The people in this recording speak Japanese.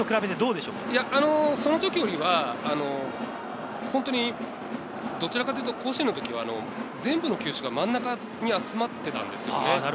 その時よりは、本当にどちらかというと甲子園の時は、全部の球種が真ん中に集まっていたんですよね。